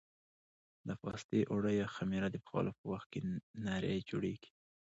د پاستي اوړه یا خمېره د پخولو په وخت کې نرۍ جوړېږي.